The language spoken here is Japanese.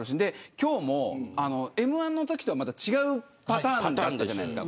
今日もＭ‐１のときとは違うパターンじゃないですか。